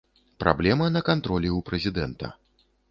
Праблема на кантролі ў прэзідэнта.